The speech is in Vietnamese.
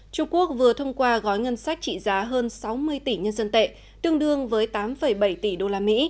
trung quốc vừa thông qua gói ngân sách trị giá hơn sáu mươi tỷ nhân dân tệ tương đương với tám bảy tỷ đô la mỹ